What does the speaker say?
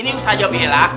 ini ustadz zabel lah